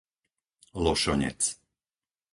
Lošonec